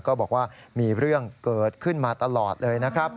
ก็บอกว่ามีเรื่องเกิดขึ้นมาตลอดเลยนะครับ